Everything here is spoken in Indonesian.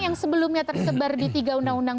yang sebelumnya tersebar di tiga undang undang